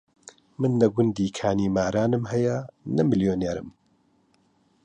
من نە گوندی کانیمارانم هەیە، نە میلیونێرم